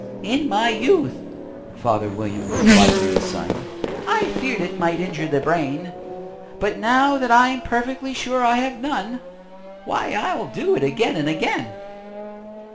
"In my youth," father William replied to his son, "I feared it might injure the brain; But, now that I'm perfectly sure I have none, Why, I do it again and again."